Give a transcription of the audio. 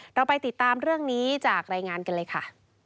เราไปติดตามเรื่องนี้จากรายงานกันเลยค่ะ